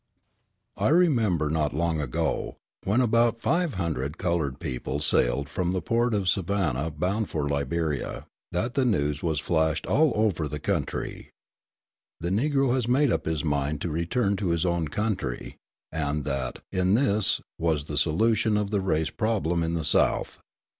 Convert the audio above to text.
I remember not long ago, when about five hundred coloured people sailed from the port of Savannah bound for Liberia, that the news was flashed all over the country, "The Negro has made up his mind to return to his own country," and that, "in this was the solution of the race problem in the South."